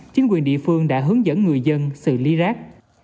chính quyền địa phương đã hướng dẫn người dân xử lý rác